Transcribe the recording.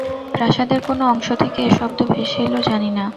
প্রাসাদের কোন অংশ থেকে এ শব্দ ভেসে এল জানি না।